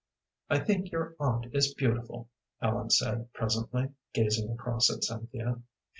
"I think your aunt is beautiful," Ellen said, presently, gazing across at Cynthia.